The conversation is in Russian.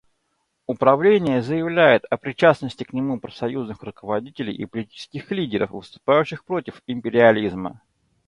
Управление заявляет о причастности к нему профсоюзных руководителей и политических лидеров, выступающих против империализма.